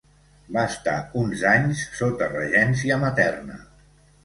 Va estar uns anys sota regència materna.